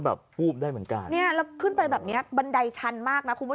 วูบได้เหมือนกันเนี่ยแล้วขึ้นไปแบบเนี้ยบันไดชันมากนะคุณผู้ชม